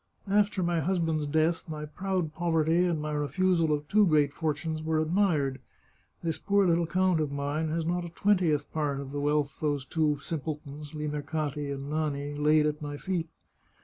After my husband's death, my proud poverty and my refusal of two great fortunes were admired. This poor little count of mine has not a twentieth part of the wealth those two simpletons, Limercati and Nani, laid at my feet.